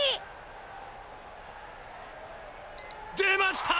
出ました！